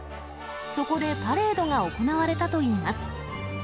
そこでパレードが行われたといいます。